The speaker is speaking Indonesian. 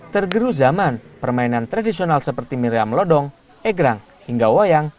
tergerus zaman permainan tradisional seperti miriam lodong egrang hingga wayang